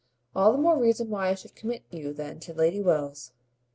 "All the more reason why I should commit you then to Lady Wells."